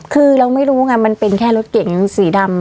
คือเราไม่รู้ไงมันเป็นแค่รถเก๋งสีดำ